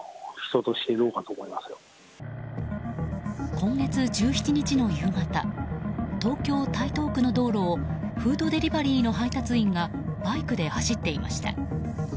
今月１７日の夕方東京・台東区の道路をフードデリバリーの配達員がバイクで走っていました。